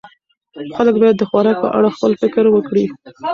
خلک باید د خوراک په اړه خپل فکر وکړي.